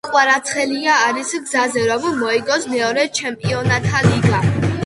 კვარაცხელია არის გზაზე რომ მოიგოს მეორე ჩემპიონთა ლიგა